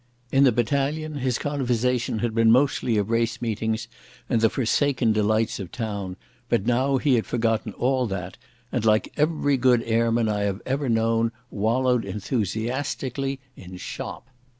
In the battalion his conversation had been mostly of race meetings and the forsaken delights of town, but now he had forgotten all that, and, like every good airman I have ever known, wallowed enthusiastically in "shop".